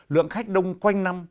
lượng khách đông quanh năm